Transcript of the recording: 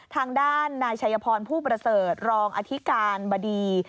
ทางด้านนายชัยพรผู้ประเสริฐรองอธิการบดี